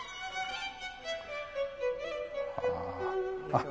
あっ